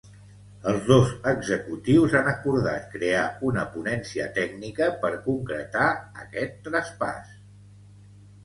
Els dos executius han acordat crear una ponència tècnica per concretar aquest traspàs.